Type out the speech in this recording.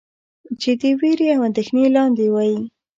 چې د وېرې او اندېښنې لاندې وئ.